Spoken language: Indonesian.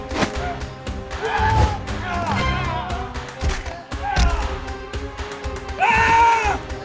terima kasih pak